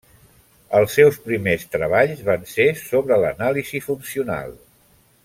Els seus primers treballs van ser sobre l'anàlisi funcional.